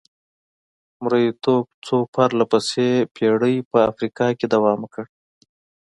مریتوب څو پرله پسې پېړۍ په افریقا کې دوام وکړ.